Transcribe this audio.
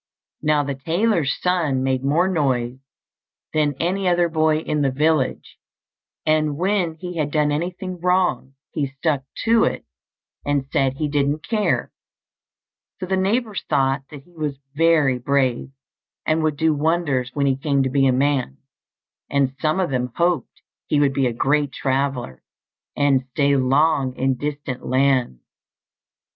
Now the tailor's son made more noise than any other boy in the village, and when he had done anything wrong he stuck to it, and said he didn't care; so the neighbours thought that he was very brave, and would do wonders when he came to be a man, and some of them hoped he would be a great traveller, and stay long in distant lands.